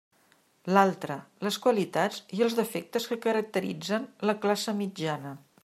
L'altre, les qualitats i els defectes que caracteritzen la classe mitjana.